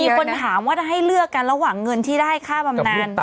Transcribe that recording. คนถามว่าถ้าให้เลือกกันระหว่างเงินที่ได้ค่าบำนาน